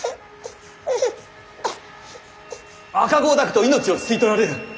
赤子を抱くと命を吸い取られる。